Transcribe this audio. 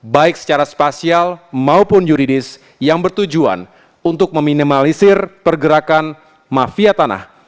baik secara spasial maupun yuridis yang bertujuan untuk meminimalisir pergerakan mafia tanah